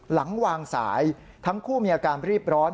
หลังวางสายทั้งคู่มีอาการรีบร้อน